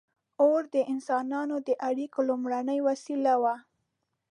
• اور د انسانانو د اړیکو لومړنۍ وسیله وه.